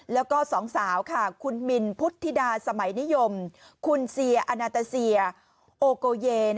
แล้วก็สองสาวค่ะคุณมินพุทธิดาสมัยนิยมคุณเซียอาณาตาเซียโอโกเย